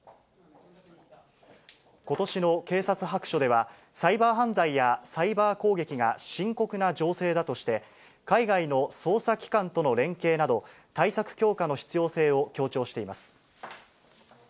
ことしの警察白書では、サイバー犯罪やサイバー攻撃が深刻な情勢だとして、海外の捜査機関との連携など、対策強化の必要性を強調しています。